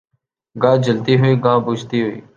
گاہ جلتی ہوئی گاہ بجھتی ہوئی